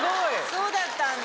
そうだったんだ。